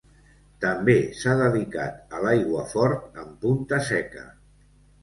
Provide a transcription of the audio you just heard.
També s'ha dedicat a l'aiguafort amb punta seca.